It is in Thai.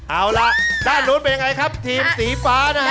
เอาล่ะด้านนู้นเป็นยังไงครับทีมสีฟ้านะฮะ